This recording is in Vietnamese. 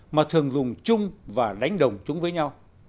mà thường dùng chung và đánh đồng chúng với nhau